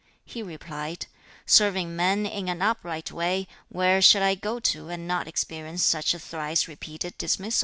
He replied, 'Serving men in an upright way, where shall I go to, and not experience such a thrice repeated 必去父母之邦.